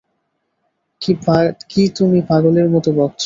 কী তুমি পাগলের মতো বকছ।